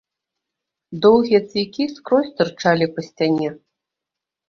Доўгія цвікі скрозь тырчалі па сцяне.